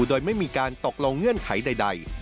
โดยไม่มีการตกลงเงื่อนไขใด